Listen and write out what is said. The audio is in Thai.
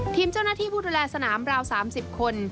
ทีมเจ้าหน้าที่ผู้ดูแลสนามราว๓๐คน